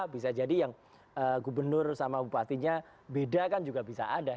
bisa jadi yang gubernur sama bupatinya beda kan juga bisa ada